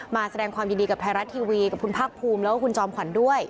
มาแสดงความยินดีกับไทยรัฐทีวีกับคุณภาคภูมิแล้วก็คุณจอมขวัญด้วย